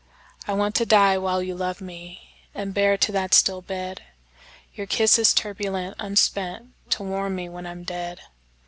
I want to die while you love me, And bear to that still bed, Your kisses turbulent, unspentTo warm me when I'm dead.